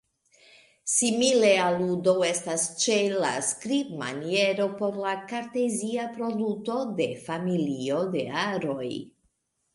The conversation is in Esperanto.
Simile aludo estas ĉe la skribmaniero por la kartezia produto de familio de aroj.